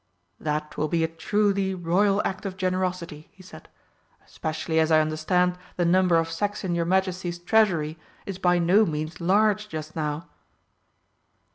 "That will be a truly royal act of generosity," he said, "especially as I understand the number of sacks in your Majesty's treasury is by no means large just now."